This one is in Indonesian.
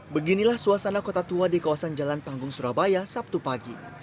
beginilah suasana kota tua di kawasan jalan panggung surabaya sabtu pagi